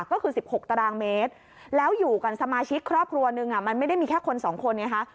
ก็คือ๑๖ตารางเมตรแล้วอยู่กันสมาชิกครอบครัวหนึ่งมันไม่ได้มีแค่คนสองคนไงคะ